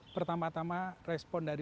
pertama tama respon dari